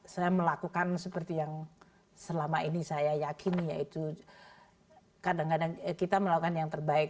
saya melakukan seperti yang selama ini saya yakin yaitu kadang kadang kita melakukan yang terbaik